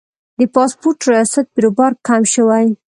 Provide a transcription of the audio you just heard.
د پاسپورت ریاست بیروبار کم شوی؟